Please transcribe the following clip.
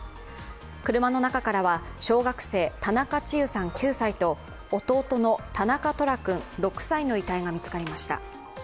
車の中からは小学生、田中千結さん９歳と弟の田中十楽君６歳の遺体が見つかりました。